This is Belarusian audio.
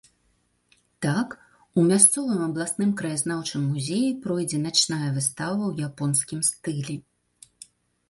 Так, у мясцовым абласным краязнаўчым музеі пройдзе начная выстава ў японскім стылі.